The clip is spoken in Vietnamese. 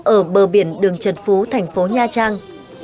ở bờ biển đường trần phú thành phố nha trang